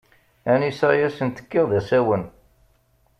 Anisa i asent-kkiɣ d asawen.